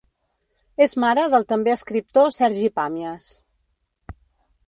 És mare del també escriptor Sergi Pàmies.